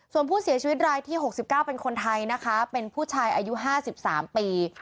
ส่วนผู้เสียชีวิตรายที่๖๙เป็นคนไทยนะคะเป็นผู้ชายอายุ๕๓ปี